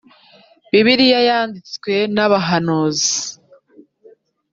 Bibiliya yanditswe nabahanuzi.